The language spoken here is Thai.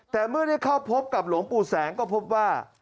แต่เมื่อได้เข้าพบกับหลวงปู่แสงก็พบว่า